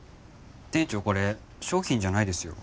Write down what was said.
店長これ商品じゃないですよ。